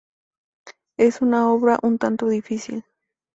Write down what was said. Es una obra un tanto difícil.